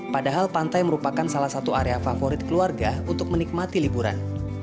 padahal pantai merupakan salah satu area favorit keluarga untuk menikmati liburan